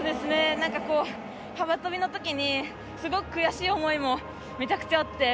幅跳びのときにすごく悔しい思いもめちゃくちゃあって。